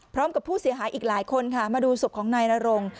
พร้อมกับผู้เสียหายอีกหลายคนค่ะมาดูศพของนายนรง